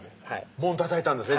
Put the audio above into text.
門たたいたんですね